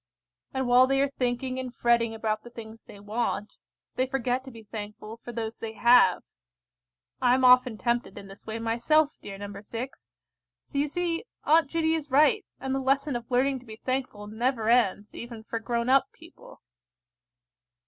And while they are thinking and fretting about the things they want, they forget to be thankful for those they have. I am often tempted in this way myself, dear No. 6; so you see Aunt Judy is right, and the lesson of learning to be thankful never ends, even for grown up people.